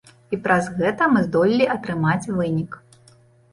І праз гэта мы здолелі атрымаць вынік.